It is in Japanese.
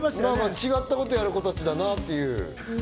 違うことをやる子たちだなって思った。